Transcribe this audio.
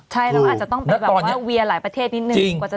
ก็อาจจะต้องไปแบบว่าเวียร์หลายประเทศนิดนึงกว่าจะถึงไหน